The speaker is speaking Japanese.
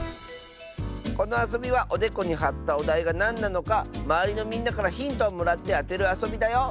このあそびはおでこにはったおだいがなんなのかまわりのみんなからヒントをもらってあてるあそびだよ。